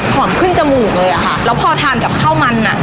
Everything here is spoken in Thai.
ขึ้นจมูกเลยอะค่ะแล้วพอทานกับข้าวมันอ่ะ